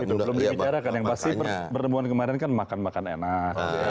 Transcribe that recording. belum dibicarakan yang pasti pertemuan kemarin kan makan makan enak